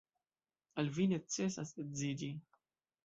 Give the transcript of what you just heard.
Al vi necesas edziĝi.